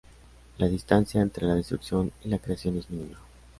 La distancia entre la destrucción y la creación es mínima.